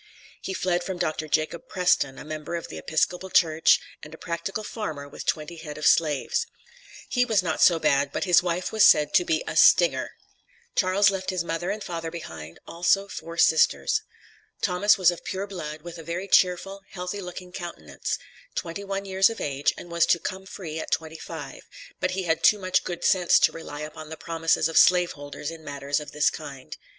He fled from Dr. Jacob Preston, a member of the Episcopal Church, and a practical farmer with twenty head of slaves. "He was not so bad, but his wife was said to be a 'stinger.'" Charles left his mother and father behind, also four sisters. Thomas was of pure blood, with a very cheerful, healthy looking countenance, twenty one years of age, and was to "come free" at twenty five, but he had too much good sense to rely upon the promises of slave holders in matters of this kind.